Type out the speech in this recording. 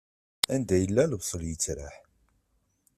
Anda yella, lebṣel yeţraḥ.